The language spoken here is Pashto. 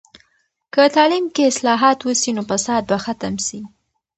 که تعلیم کې اصلاحات وسي، نو فساد به ختم سي.